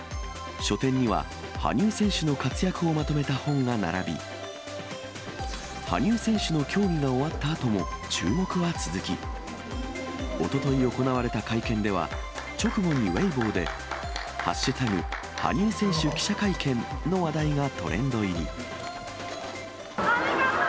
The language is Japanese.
書店には、羽生選手の活躍をまとめた本が並び、羽生選手の競技が終わったあとも、注目は続き、おととい行われた会見では、直後にウェイボーで、＃羽生選手記者会見の話題がトレンド入り。